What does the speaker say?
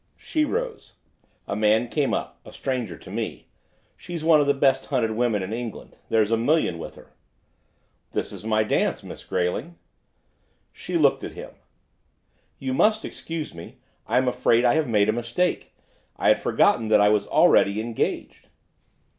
She rose. A man came up, a stranger to me; she's one of the best hunted women in England, there's a million with her. 'This is my dance, Miss Grayling.' She looked at him. 'You must excuse me. I am afraid I have made a mistake. I had forgotten that I was already engaged.